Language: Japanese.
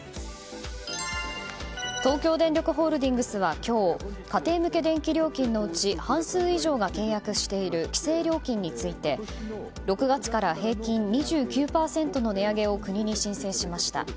東京電力ホールディングスは今日家庭向け電気料金のうち半数以上が契約している規制料金について６月から平均２９％の値上げを国に申請しました。